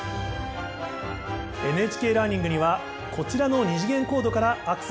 ＮＨＫラーニングにはこちらの二次元コードからアクセスできます。